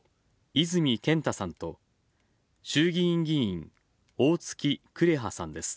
泉健太さんと、衆議院議員おおつき紅葉さんです。